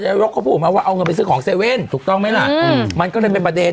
นายกเขาพูดออกมาว่าเอาเงินไปซื้อของเซเว่นถูกต้องไหมล่ะมันก็เลยเป็นประเด็น